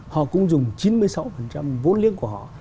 họ cũng dùng chín mươi sáu vốn liếng của họ